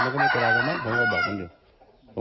เป็นไรแล้วมั้ยผมก็บอกมันอยู่